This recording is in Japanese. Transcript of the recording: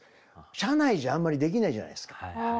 車内じゃあんまりできないじゃないですか。